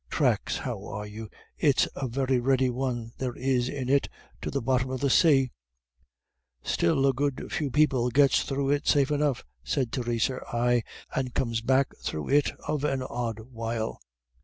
Thracks, how are you. It's a very ready one there is in it to the bottom of the say." "Still a good few people gets through it safe enough," said Theresa, "ay, and comes back through it of an odd while."